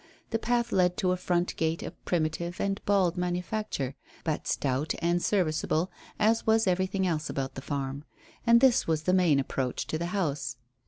The path led to a front gate of primitive and bald manufacture, but stout and serviceable, as was everything else about the farm. And this was the main approach to the house.